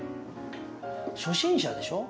初心者でしょ？